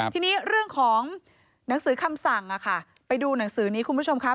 ทีนี้เรื่องของหนังสือคำสั่งไปดูหนังสือนี้คุณผู้ชมครับ